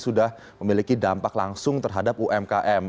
sudah memiliki dampak langsung terhadap umkm